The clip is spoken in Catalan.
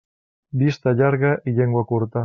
Vista llarga i llengua curta.